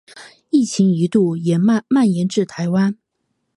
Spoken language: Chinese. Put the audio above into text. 疫情一度蔓延至台湾。